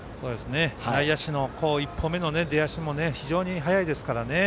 内野手の１歩目の出足も非常に速いですからね。